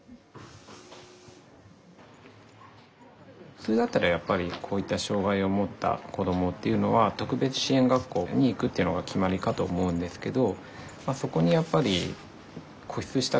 普通だったらやっぱりこういった障害をもった子どもっていうのは特別支援学校に行くっていうのが決まりかと思うんですけどそこにやっぱり固執したくはなかったので。